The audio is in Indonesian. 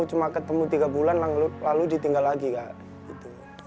cuma ketemu tiga bulan lalu ditinggal lagi kak gitu